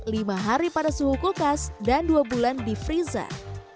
lima hari pada suhu kulkas dan dua bulan di freezer